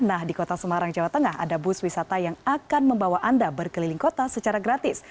nah di kota semarang jawa tengah ada bus wisata yang akan membawa anda berkeliling kota secara gratis